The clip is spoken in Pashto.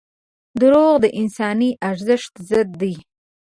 • دروغ د انساني ارزښت ضد دي.